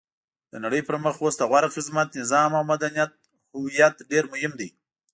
د نړۍ پرمخ اوس د غوره خدمت، نظام او مدنیت هویت ډېر مهم دی.